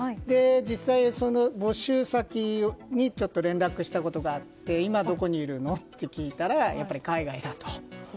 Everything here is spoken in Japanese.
実際、その募集先に連絡したことがあって今どこにいるの？って聞いたら海外だと。